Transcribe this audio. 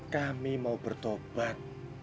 kami mau bertobat